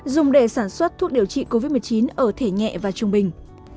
dùng để sản xuất thuốc điều trị covid một mươi chín ở thể nhẹ và trung bình